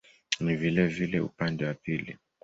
Ni vilevile upande wa pili.